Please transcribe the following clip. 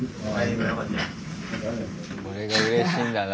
これがうれしいんだな。